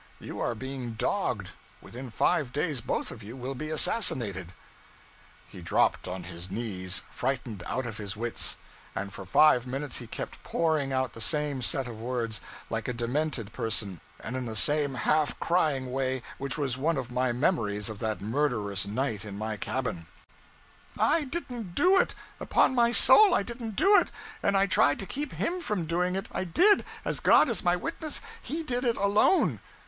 You are being dogged: within five days both of you will be assassinated.' He dropped on his knees, frightened out of his wits; and for five minutes he kept pouring out the same set of words, like a demented person, and in the same half crying way which was one of my memories of that murderous night in my cabin 'I didn't do it; upon my soul I didn't do it; and I tried to keep _him _from doing it; I did, as God is my witness. He did it alone.'